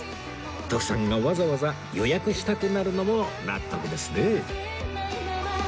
徳さんがわざわざ予約したくなるのも納得ですね